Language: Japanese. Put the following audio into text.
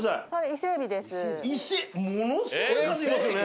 伊勢ものすごい数いますよね。